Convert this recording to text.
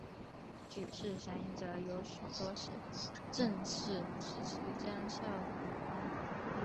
举事响应者有许多是郑氏时期将校武官。